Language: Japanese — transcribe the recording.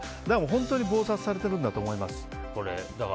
本当に忙殺されているんだと思います。